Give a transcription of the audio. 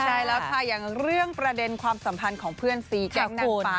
ใช่แล้วค่ะอย่างเรื่องประเด็นความสัมพันธ์ของเพื่อนซีแก้วนางฟ้า